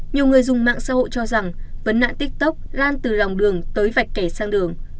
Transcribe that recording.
nhiều người dùng mạng xã hội cho rằng vấn nạn tiktok lan từ lòng đường tới vạch kẻ sang đường